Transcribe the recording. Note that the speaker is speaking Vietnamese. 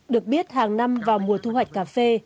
được biết hàng năm vào mùa thu hoạch cà phê